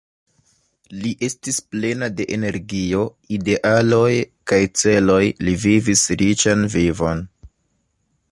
Li estis plena de energio, idealoj kaj celoj, li vivis riĉan vivon.